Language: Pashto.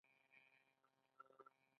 پاچا د خلکو په ژوند باندې تور سيورى غوړولى.